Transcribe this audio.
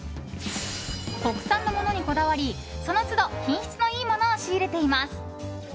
国産のものにこだわりその都度品質のいいものを仕入れています。